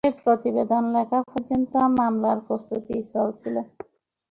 এ প্রতিবেদন লেখা পর্যন্ত মামলার প্রস্তুতি চলছিল।